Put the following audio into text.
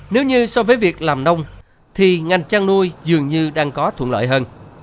nếu như so với việc làm nông thì ngành chăn nuôi dường như đang có thuận lợi hơn